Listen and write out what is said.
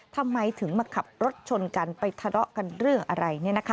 ทำไมถึงมาขับรถชนกันไปทะเลาะกันเรื่องอะไร